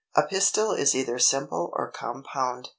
304. A pistil is either simple or compound.